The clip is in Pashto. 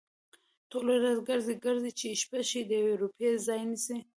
ټوله ورځ گرځي، گرځي؛ چې شپه شي د يوې روپۍ ځای نيسي؟